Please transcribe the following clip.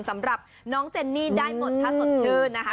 สำหรับน้องเจนนี่ได้หมดถ้าสดชื่นนะคะ